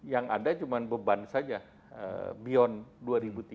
yang ada cuma beban saja beyond dua ribu tiga puluh